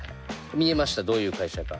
見えましたどういう会社か。